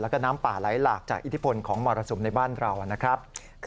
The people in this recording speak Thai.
แล้วก็น้ำป่าไหลหลากจากอิทธิพลของมรสุมในบ้านเรานะครับ